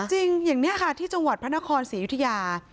จริงอย่างนี้ค่ะที่จังหวัดพระนครศรีอยุธยา